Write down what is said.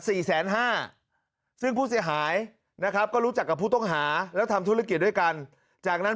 แสนห้าซึ่งผู้เสียหายนะครับก็รู้จักกับผู้ต้องหาแล้วทำธุรกิจด้วยกันจากนั้น